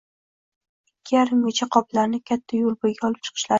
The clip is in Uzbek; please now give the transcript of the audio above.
Ikki yarimgacha qoplarni katta yoʻl boʻyiga olib chiqishlari kerak.